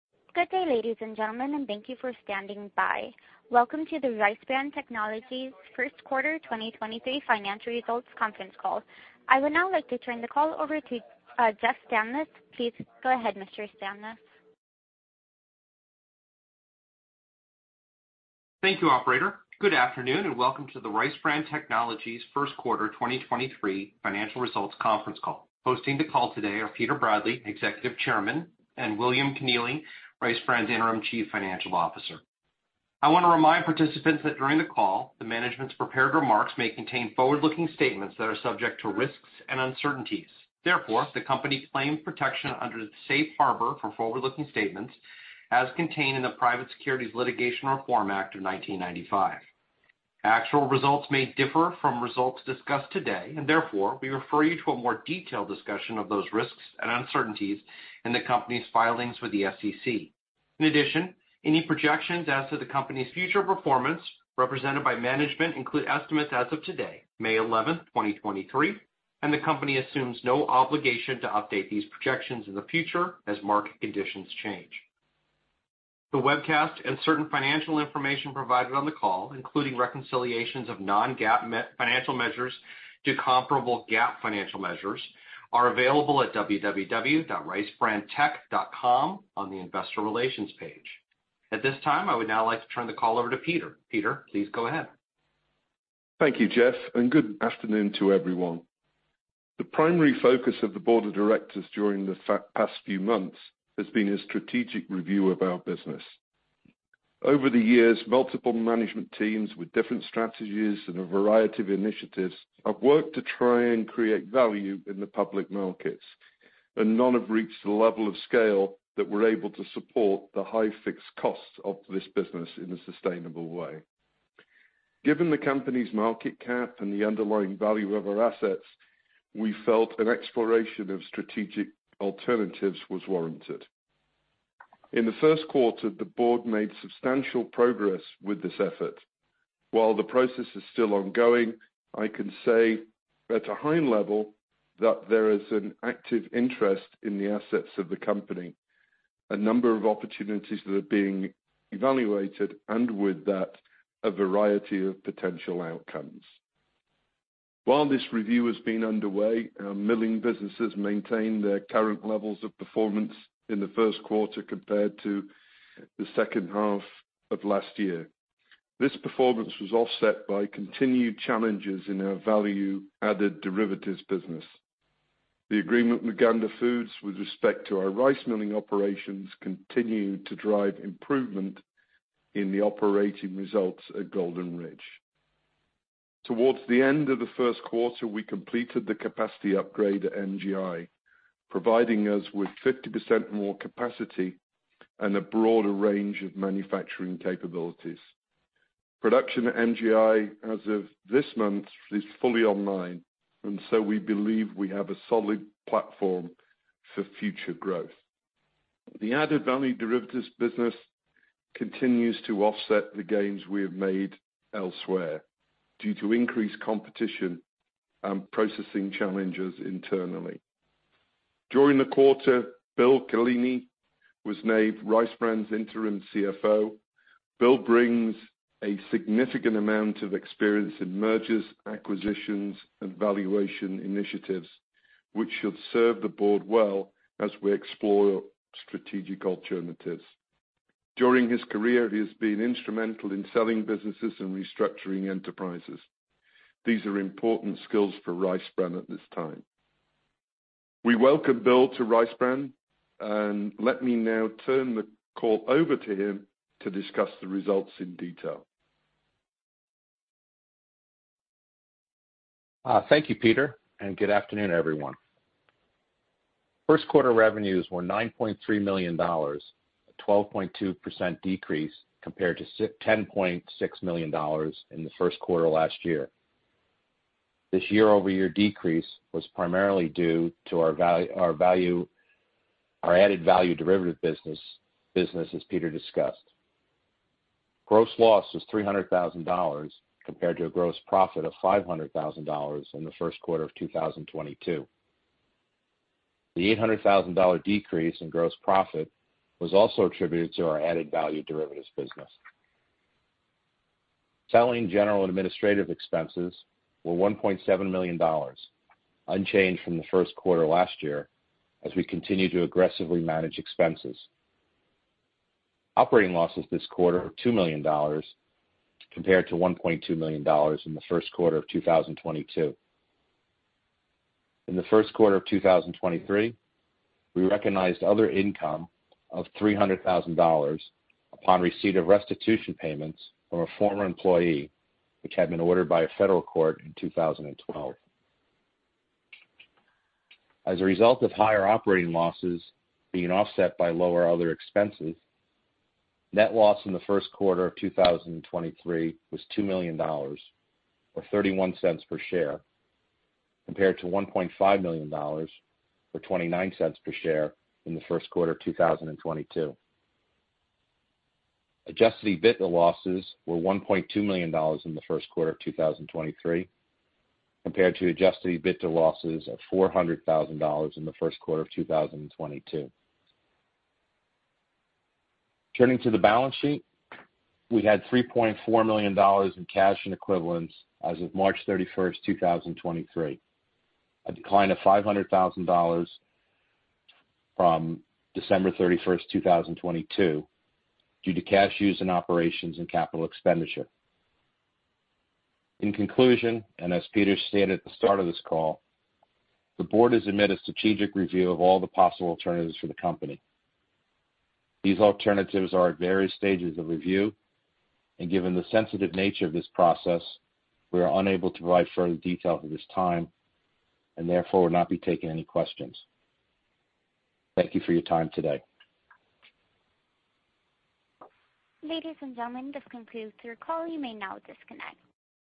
Good day, ladies and gentlemen, and thank you for standing by. Welcome to the RiceBran Technologies First Quarter 2023 financial results conference call. I would now like to turn the call over to Jeff Stanlis. Please go ahead, Mr. Stanlis. Thank you, operator. Good afternoon, and welcome to the RiceBran Technologies First Quarter 2023 financial results conference call. Hosting the call today are Peter Bradley, Executive Chairman, and William Keneally, RiceBran's Interim Chief Financial Officer. I wanna remind participants that during the call, the management's prepared remarks may contain forward-looking statements that are subject to risks and uncertainties. Therefore, the company claims protection under the safe harbor for forward-looking statements as contained in the Private Securities Litigation Reform Act of 1995. Actual results may differ from results discussed today, and therefore, we refer you to a more detailed discussion of those risks and uncertainties in the company's filings with the SEC. Any projections as to the company's future performance represented by management include estimates as of today, May 11, 2023. The company assumes no obligation to update these projections in the future as market conditions change. The webcast and certain financial information provided on the call, including reconciliations of non-GAAP financial measures to comparable GAAP financial measures, are available at www.ricebrantech.com on the investor relations page. At this time, I would now like to turn the call over to Peter. Peter, please go ahead. Thank you, Jeff. Good afternoon to everyone. The primary focus of the board of directors during the past few months has been a strategic review of our business. Over the years, multiple management teams with different strategies and a variety of initiatives have worked to try and create value in the public markets, and none have reached the level of scale that we're able to support the high fixed costs of this business in a sustainable way. Given the company's market cap and the underlying value of our assets, we felt an exploration of strategic alternatives was warranted. In the first quarter, the board made substantial progress with this effort. While the process is still ongoing, I can say at a high level that there is an active interest in the assets of the company, a number of opportunities that are being evaluated, and with that, a variety of potential outcomes. While this review has been underway, our milling businesses maintained their current levels of performance in the first quarter compared to the second half of last year. This performance was offset by continued challenges in our added value derivatives business. The agreement with Gundry Foods with respect to our rice milling operations continued to drive improvement in the operating results at Golden Ridge. Towards the end of the first quarter, we completed the capacity upgrade at MGI, providing us with 50% more capacity and a broader range of manufacturing capabilities. Production at MGI as of this month is fully online. We believe we have a solid platform for future growth. The added value derivatives business continues to offset the gains we have made elsewhere due to increased competition and processing challenges internally. During the quarter, Bill Keneally was named RiceBran's Interim CFO. Bill brings a significant amount of experience in mergers, acquisitions, and valuation initiatives, which should serve the board well as we explore strategic alternatives. During his career, he has been instrumental in selling businesses and restructuring enterprises. These are important skills for RiceBran at this time. We welcome Bill to RiceBran. Let me now turn the call over to him to discuss the results in detail. Thank you, Peter, and good afternoon, everyone. First quarter revenues were $9.3 million, a 12.2% decrease compared to $10.6 million in the first quarter last year. This year-over-year decrease was primarily due to our added value derivative business as Peter discussed. Gross loss was $300,000 compared to a gross profit of $500,000 in the first quarter of 2022. The $800,000 decrease in gross profit was also attributed to our added value derivatives business. Selling, general, and administrative expenses were $1.7 million, unchanged from the first quarter last year as we continue to aggressively manage expenses. Operating losses this quarter were $2 million compared to $1.2 million in the first quarter of 2022. In the first quarter of 2023, we recognized other income of $300,000 upon receipt of restitution payments from a former employee, which had been ordered by a federal court in 2012. As a result of higher operating losses being offset by lower other expenses, net loss in the first quarter of 2023 was $2 million, or $0.31 per share, compared to $1.5 million, or $0.29 per share, in the first quarter of 2022. Adjusted EBITDA losses were $1.2 million in the first quarter of 2023 compared to adjusted EBITDA losses of $400,000 in the first quarter of 2022. Turning to the balance sheet, we had $3.4 million in cash and equivalents as of March 31st, 2023, a decline of $500,000 from December 31st, 2022, due to cash used in operations and capital expenditure. In conclusion, as Peter stated at the start of this call, the board has amid a strategic review of all the possible alternatives for the company. These alternatives are at various stages of review, and given the sensitive nature of this process, we are unable to provide further details at this time and therefore will not be taking any questions. Thank you for your time today. Ladies and gentlemen, this concludes your call. You may now disconnect.